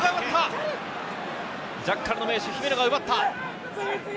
ジャッカルの名手・姫野が奪った。